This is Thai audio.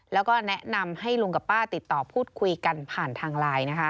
แล้วก็แนะนำให้ลุงกับป้าติดต่อพูดคุยกันผ่านทางไลน์นะคะ